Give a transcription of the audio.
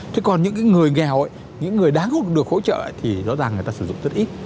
thế còn những cái người nghèo những người đáng không được hỗ trợ thì rõ ràng người ta sử dụng rất ít